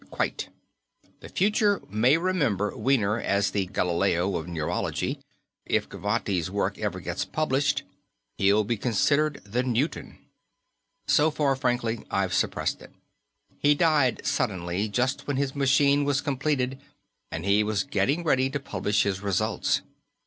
"Quite. The future may remember Wiener as the Galileo of neurology. If Gavotti's work ever gets published, he'll be considered the Newton. So far, frankly, I've suppressed it. He died suddenly, just when his machine was completed and he was getting ready to publish his results.